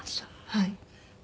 はい。